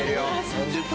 ３０分。